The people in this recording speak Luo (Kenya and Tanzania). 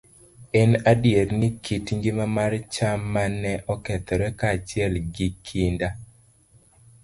En adier ni, kit ngima mar cham ma ne okethore kaachiel gi kinda